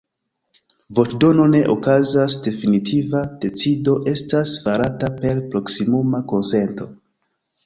Voĉdono ne okazas, definitiva decido estas farata per proksimuma konsento.